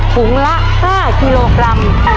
ถุงละ๕กิโลกรัม